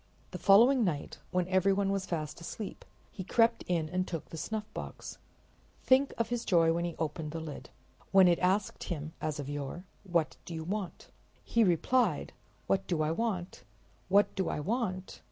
The following night, when everyone was fast asleep, he crept in and took the snuffbox. Think of his joy as he opened the lid! When it asked him, as of yore, "What do you want?" he replied: "What do I want? What do I want?